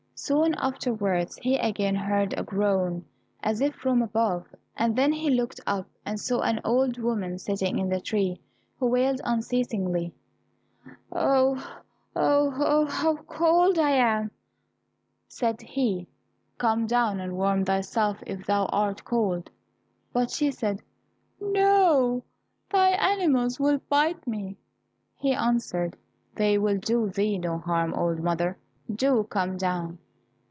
Soon afterwards, he again heard a groan as if from above, and then he looked up, and saw an old woman sitting in the tree, who wailed unceasingly, "Oh, oh, oh, how cold I am!" Said he, "Come down, and warm thyself if thou art cold." But she said, "No, thy animals will bite me." He answered, "They will do thee no harm, old mother, do come down."